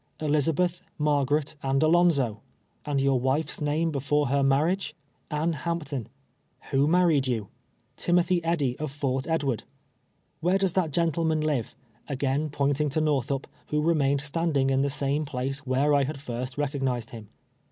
" "Elizabetli, Margaret and Alonzo." " And your wife's name before her marriage ?" "Anne Hampton." " Who married you \" "Timothy Kddy, of Fort Edward." " AVliere does that gentleman live ?" again pointing to Northu]), who remained standing in the same place where I had first recognizetl him.